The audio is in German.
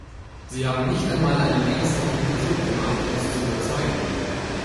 Sie haben nicht einmal einen ernsthaften Versuch gemacht, uns zu überzeugen.